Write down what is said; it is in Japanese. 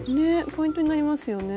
ポイントになりますよね。